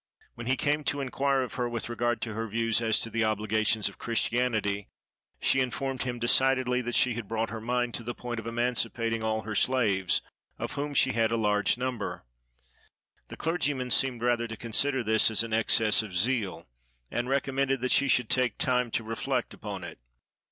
When he came to inquire of her with regard to her views as to the obligations of Christianity, she informed him decidedly that she had brought her mind to the point of emancipating all her slaves, of whom she had a large number. The clergyman seemed rather to consider this as an excess of zeal, and recommended that she should take time to reflect upon it.